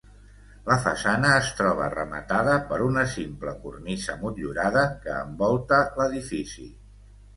La façana es troba rematada per una simple cornisa motllurada, que envolta l'edifici.